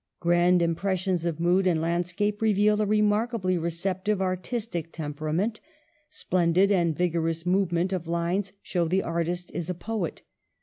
Grand impressions of mood and landscape reveal a remarkably receptive artistic temperament ; splendid and vigorous movement of lines shows that the artist is a poet.